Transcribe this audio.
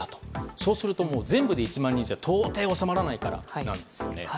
そうすると全部で１万人じゃ到底、収まらないからなんですね。